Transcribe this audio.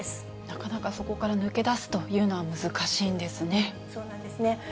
なかなかそこから抜け出すとそうなんですね。